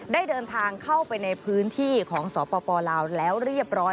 ได้เดินทางเข้าไปในพื้นที่ของสปลาวแล้วเรียบร้อย